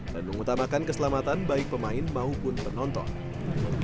dan mengutamakan keselamatan baik pemain maupun penonton